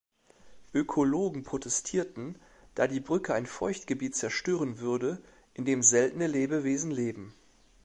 Ökologen protestierten, da die Brücke ein Feuchtgebiet zerstören würde, in dem seltene Lebewesen leben.